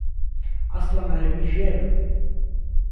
عەسڵم عهرهبی ژێره